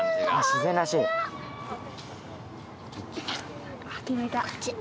自然らしい？決めた。